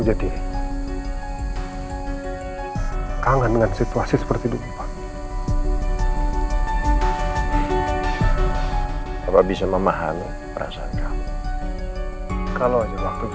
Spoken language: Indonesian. jadi kangen dengan situasi seperti dulu pak apa bisa memahami perasaan kamu kalau aja waktu bisa